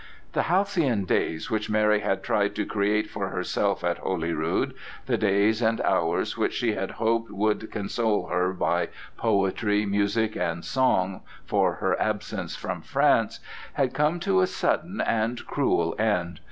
The halcyon days which Mary had tried to create for herself at Holyrood—the days and hours which she had hoped would console her by poetry, music, and song for her absence from France—had come to a sudden and cruel end.